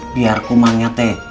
biar kumangnya teh